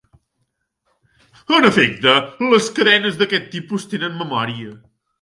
En efecte, les cadenes d'aquest tipus tenen memòria.